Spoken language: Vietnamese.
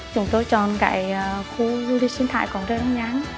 chúng tôi chọn khu du lịch sinh thái còn rất đáng nhắn